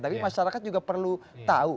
tapi masyarakat juga perlu tahu